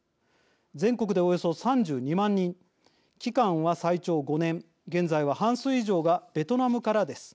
全国でおよそ３２万人期間は最長５年現在は半数以上がベトナムからです。